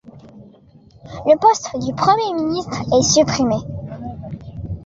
Le poste de Premier ministre est supprimé.